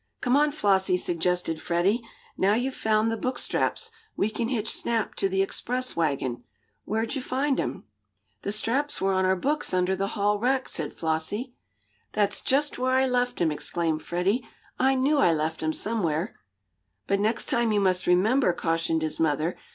"Come on, Flossie," suggested Freddie. "Now you've found the book straps, we can hitch Snap to the express wagon. Where'd you find 'em?" "The straps were on our books, under the hall rack," said Flossie. "That's just where I left 'em!" exclaimed Freddie. "I knew I left 'em somewhere." "But next time you must remember," cautioned his mother.